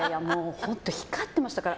本当光ってましたから。